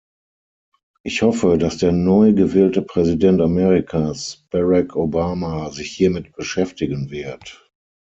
Ich hoffe, dass der neu gewählte Präsident Amerikas, Barack Obama, sich hiermit beschäftigen wird.